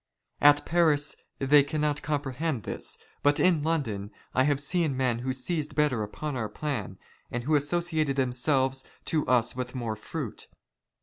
At Paris they cannot comprehend this, but in " London I have seen men who seized better upon our plan, and '' who associated themselves to us with more fruit.